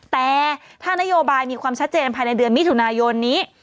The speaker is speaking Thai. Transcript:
แต่ถ้านโยบายมีความชัดเจนภายในเดือนมิถุนายนนี้